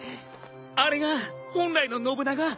あれが本来の信長？